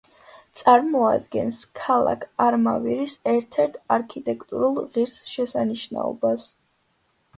წარმოადგენს ქალაქ არმავირის ერთ-ერთ არქიტექტურულ ღირსშესანიშნაობას.